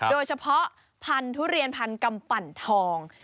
โดยเฉพาะพันธุเรียนพันกำปั่นทอง